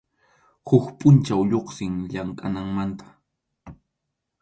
Huk pʼunchaw lluqsin llamkʼananmanta.